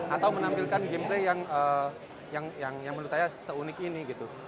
atau menampilkan gameplay yang menurut saya seunik ini